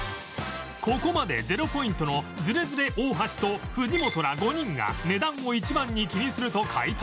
ここまでゼロポイントのズレズレ大橋と藤本ら５人が値段を一番に気にすると解答